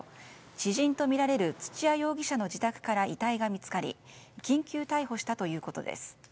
知人とみられる土屋容疑者の自宅から遺体が見つかり緊急逮捕したということです。